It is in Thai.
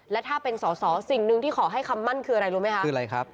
และถ้าเป็นสอสอสิ่งหนึ่งที่ขอให้คำมั่นคืออะไรรู้ไหมคะคืออะไรครับ